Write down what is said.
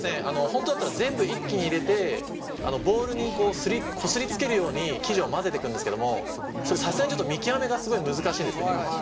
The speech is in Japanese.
本当だったら全部一気に入れてボウルにこすりつけるように生地を混ぜてくんですけどもそれさすがにちょっと見極めがすごい難しいんですね。